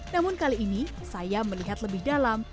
namun kali ini saya melihat lebih dalam